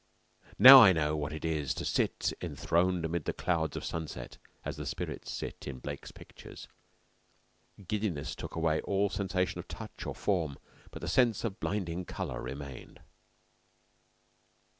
Now I know what it is to sit enthroned amid the clouds of sunset as the spirits sit in Blake's pictures. Giddiness took away all sensation of touch or form, but the sense of blinding color remained.